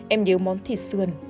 em nhớ món thịt sườn